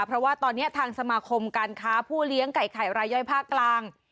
เพราะว่าตอนนี้ทางสมาคมการค้าผู้เลี้ยงไก่ไข่รายย่อยภาคกลาง